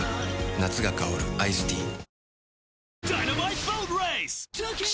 夏が香るアイスティー雨。